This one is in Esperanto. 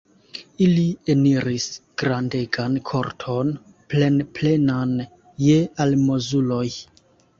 Ili eniris grandegan korton, plenplenan je almozuloj.